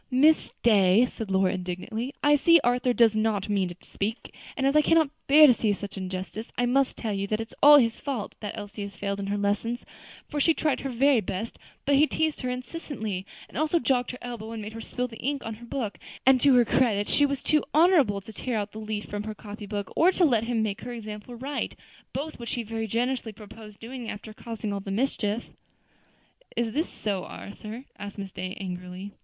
"Miss Day," said Lora, indignantly, "I see Arthur does not mean to speak, and as I cannot bear to see such injustice, I must tell you that it is all his fault that Elsie has failed in her lessons; for she tried her very best, but he teased her incessantly, and also jogged her elbow and made her spill the ink on her book; and to her credit she was too honorable to tear out the leaf from her copy book, or to let him make her example right; both which he very generously proposed doing after causing all the mischief." "Is this so, Arthur?" asked Miss Day, angrily.